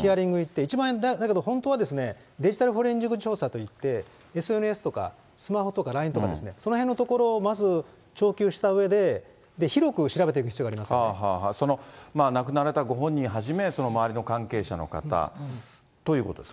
ヒアリングいって、一番、だけど本当は、デジタル調査といって、ＳＮＳとかスマホとかＬＩＮＥとか、そのへんのところをまず聴収したうえで、亡くなられたご本人はじめ、周りの関係者の方ということですか。